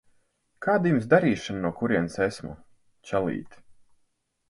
Kāda Jums darīšana no kurienes esmu, čalīt?